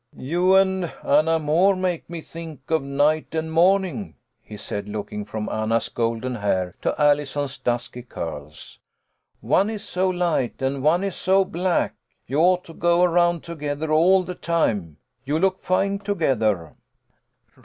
" You and Anna Moore make me think of night and morning," he said, looking from Anna's golden hair to Allison's dusky curls. " One is so light and one is so black. You ought to go around together all the time. You look fine together."